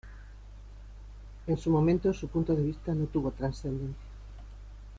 En su momento, su punto de vista no obtuvo trascendencia.